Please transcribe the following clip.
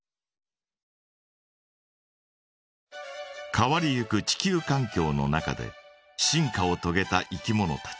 変わりゆく地球かん境の中で進化をとげたいきものたち。